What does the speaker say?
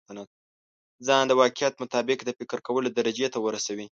ځان د واقعيت مطابق د فکر کولو درجې ته ورسوي.